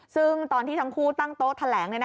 ซึ่งตอนที่ทั้งคู่ตั้งโต๊ะแถลง